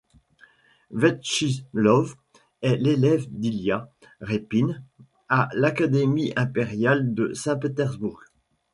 Vechtchilov est l'élève d'Ilia Répine à l'académie impériale de Saint-Pétersbourg.